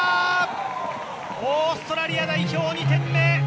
オーストラリア代表、２点目。